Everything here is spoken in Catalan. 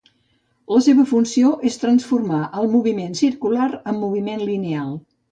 La seva funció és transformar el moviment circular en moviment lineal.